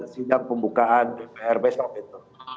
sidang pembukaan dpr besok itu